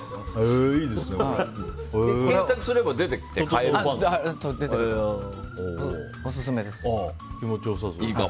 検索すれば出てきますか？